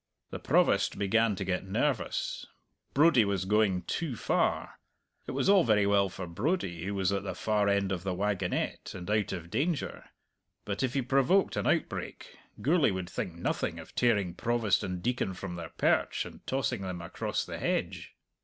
The Provost began to get nervous. Brodie was going too far. It was all very well for Brodie, who was at the far end of the wagonette and out of danger; but if he provoked an outbreak, Gourlay would think nothing of tearing Provost and Deacon from their perch and tossing them across the hedge.